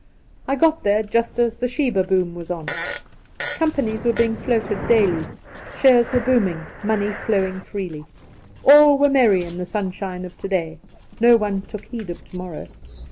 I got there just as the Sheba boom was well on. Com panies were being floated daily, shares were boom ing, money flowing freely. All were merry in the sunshine of to day. No one took heed of to morrow.